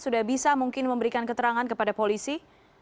sudah bisa mungkin memberikan keterangan kepada polisi